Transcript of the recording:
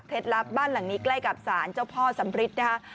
ลับบ้านหลังนี้ใกล้กับศาลเจ้าพ่อสำริทนะคะ